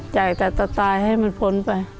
จากแต่ต่อตายให้มันผลไป